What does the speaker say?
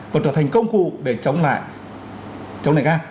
còn trở thành công cụ để chống lại nga